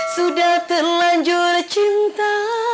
sudah telanjur cinta